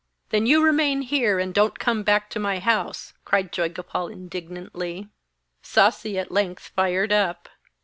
'Then you remain here, and don't come back to my house,' cried Joygopal indignantly. Sasi at length fired up.